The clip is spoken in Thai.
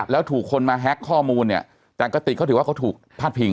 แล้วถูกคนมาแฮ็กข้อมูลเนี่ยแต่กระติกเขาถือว่าเขาถูกพาดพิง